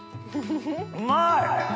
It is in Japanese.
うまい！